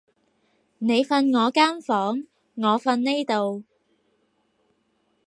你瞓我間房，我瞓呢度